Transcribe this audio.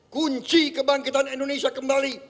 kunci kebangkitan indonesia kembali